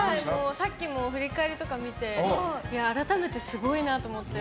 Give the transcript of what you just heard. さっきも振り返りとか見て改めてすごいなと思って。